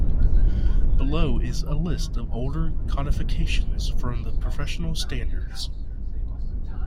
Below is a list of older codifications from the Professional Standards.